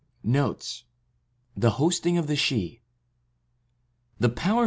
^2 NOTES The Hosting of the Sidhe.